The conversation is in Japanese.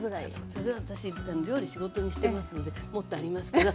それは私料理仕事にしてますのでもっとありますけど。